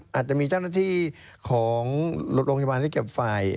อาจจะมีเจ้าหน้าที่ของโรงพยาบาลที่เก็บฝ่าย